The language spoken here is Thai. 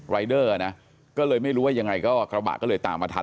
รายเดอร์นะก็เลยไม่รู้ว่ายังไงก็กระบะก็เลยตามมาทัน